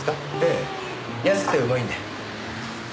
ええ。安くてうまいんで。